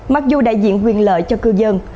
mặc dù đại diện quyền lợi cho cư dân